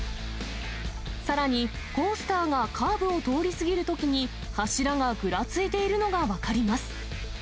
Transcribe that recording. さらにコースターがカーブを通り過ぎるときに、柱がぐらついているのが分かります。